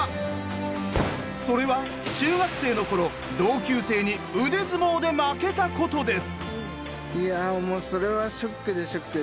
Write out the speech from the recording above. それは中学生の頃同級生に腕相撲で負けたことです。